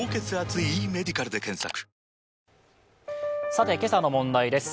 さて、今朝の問題です。